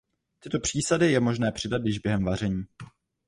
Tyto přísady je možné přidat již během vaření.